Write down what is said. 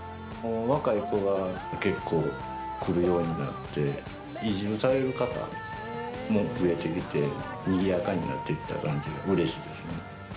若い子が結構来るようになって、移住される方も増えてきて、にぎやかになってきた感じがうれしいですね。